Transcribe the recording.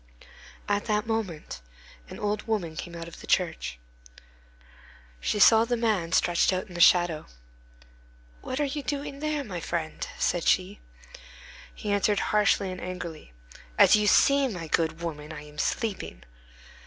At that moment an old woman came out of the church. She saw the man stretched out in the shadow. "What are you doing there, my friend?" said she. He answered harshly and angrily: "As you see, my good woman, I am sleeping."